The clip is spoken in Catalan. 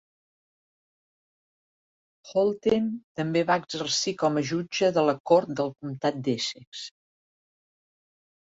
Holten també va exercir com a jutge de la cort del Comtat d'Essex.